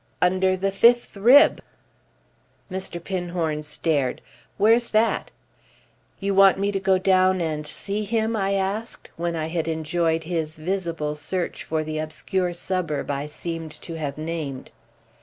"Under the fifth rib!" Mr. Pinhorn stared. "Where's that?" "You want me to go down and see him?" I asked when I had enjoyed his visible search for the obscure suburb I seemed to have named.